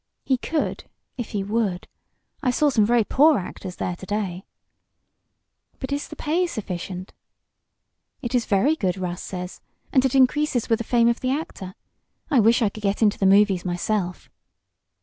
"He could if he would. I saw some very poor actors there to day." "But is the pay sufficient?" "It is very good, Russ says. And it increases with the fame of the actor. I wish I could get into the movies myself."